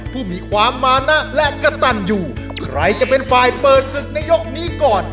ผู้มีความมานะและกระตันอยู่ใครจะเป็นฝ่ายเปิดศึกในยกนี้ก่อน